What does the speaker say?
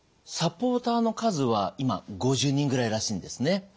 サポーターの数は今５０人ぐらいらしいんですね。